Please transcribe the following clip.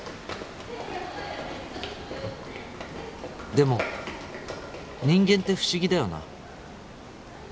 「でも人間って不思議だよな」